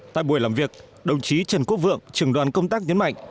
tại buổi làm việc đồng chí trần quốc vượng trường đoàn công tác nhấn mạnh